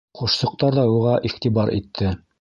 Ҡошсоҡтар ҙа уға иғтибар итте.